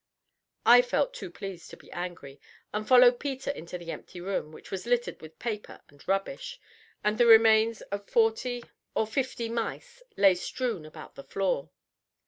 I felt too pleased to be angry, and followed Peter into the empty room, which was littered with paper and rubbish, and the remains of forty or fifty mice lay strewn about the floor.